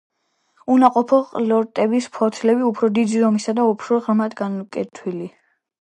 უნაყოფო ყლორტების ფოთლები უფრო დიდი ზომისაა და უფრო ღრმად განკვეთილი.